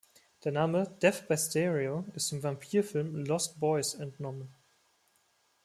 Der Name "Death by Stereo" ist dem Vampir-Film Lost Boys entnommen.